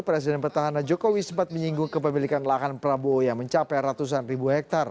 presiden petahana jokowi sempat menyinggung kepemilikan lahan prabowo yang mencapai ratusan ribu hektare